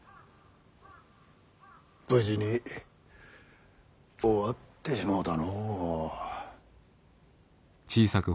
無事に終わってしもうたのう。